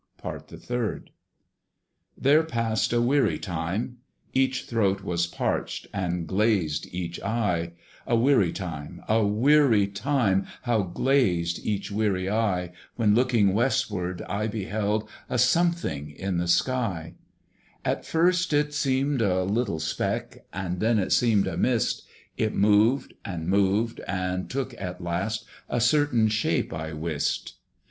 PART THE THIRD. There passed a weary time. Each throat Was parched, and glazed each eye. A weary time! a weary time! How glazed each weary eye, When looking westward, I beheld A something in the sky. At first it seemed a little speck, And then it seemed a mist: It moved and moved, and took at last A certain shape, I wist.